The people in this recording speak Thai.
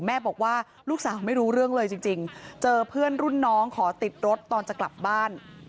แม่บอกว่าลูกสาวไม่รู้เรื่องเลยจริงเจอเพื่อนรุ่นน้องขอติดรถตอนจะกลับบ้าน